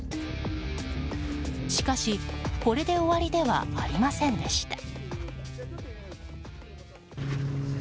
しかし、これで終わりではありませんでした。